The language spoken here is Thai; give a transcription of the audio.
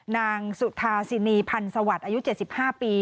นางสุธาสินีพันธ์สวัสดิ์อายุ๗๕ปี